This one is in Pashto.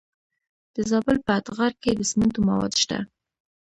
د زابل په اتغر کې د سمنټو مواد شته.